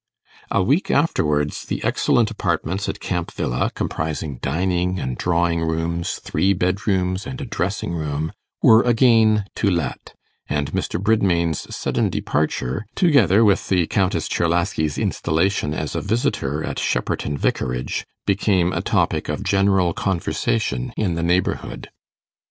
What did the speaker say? A week afterwards, the excellent apartments at Camp Villa, comprising dining and drawing rooms, three bedrooms and a dressing room, were again to let, and Mr. Bridmain's sudden departure, together with the Countess Czerlaski's installation as a visitor at Shepperton Vicarage, became a topic of general conversation in the neighbourhood.